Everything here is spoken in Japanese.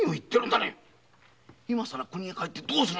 今更帰ってどうする？